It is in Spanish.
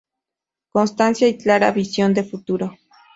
Constancia y clara visión de futuro.